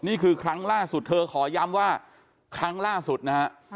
นี่คือครั้งล่าสุดเธอขอย้ำว่าครั้งล่าสุดนะฮะ